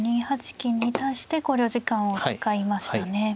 ２八金に対して考慮時間を使いましたね。